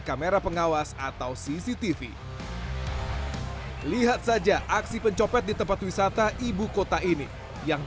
kamera pengawas atau cctv lihat saja aksi pencopet di tempat wisata ibu kota ini yang